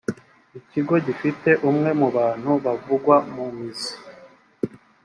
ikigo gifite umwe mu bantu bavugwa mu mizi